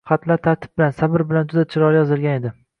Xatlar tartib bilan, sabr bilan juda chiroyli yozilgan edi.